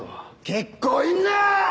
結構いんな！